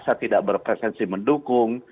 saya tidak berprevensi mendukung